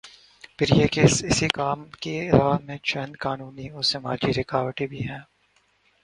پھر یہ کہ اس کام کی راہ میں چند قانونی اور سماجی رکاوٹیں بھی ہیں۔